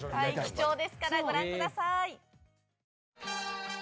貴重ですからご覧ください。